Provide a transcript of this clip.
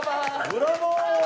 ブラボー！